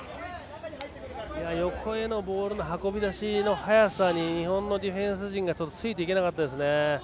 横へのボールの運び出しの速さに日本のディフェンス陣がついていけなかったですね。